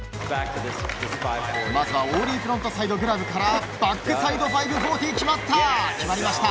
まずはオーリーフロントサイドグラブからバックサイド５４０決まりました。